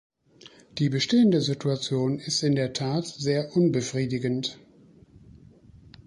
Die bestehende Situation ist in der Tat sehr unbefriedigend.